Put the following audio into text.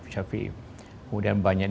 syafi'i kemudian banyak